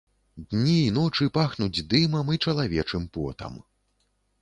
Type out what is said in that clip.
Дні і ночы пахнуць дымам і чалавечым потам.